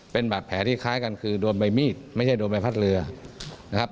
เป็นบาดแผลที่คล้ายกันคือโดนใบมีดไม่ใช่โดนใบพัดเรือนะครับ